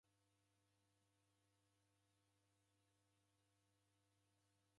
Hai, ni kajighe katineri!